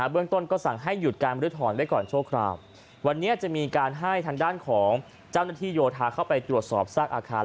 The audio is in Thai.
เรื่องต้นก็สั่งให้หยุดการบริถอนไว้ก่อนชั่วคราววันนี้จะมีการให้ทางด้านของเจ้าหน้าที่โยธาเข้าไปตรวจสอบซากอาคาร